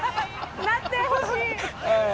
なってほしい。